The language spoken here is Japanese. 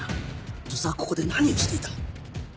土佐はここで何をしていた？